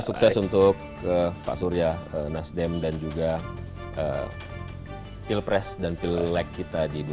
sukses untuk pak surya nasdem dan juga pilpres dan pilek kita di dua ribu sembilan belas